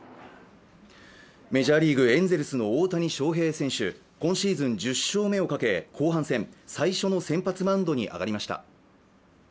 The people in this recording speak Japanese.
メジャーリーグ、エンゼルスの大谷翔平選手、今シーズン１０勝目をかけ後半戦最初の先発マウンドに上がりました。